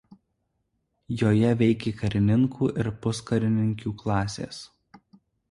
Joje veikė karininkų ir puskarininkių klasės.